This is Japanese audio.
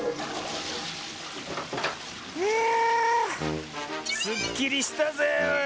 いやすっきりしたぜ。